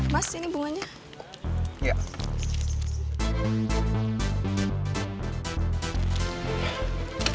mas ini bunganya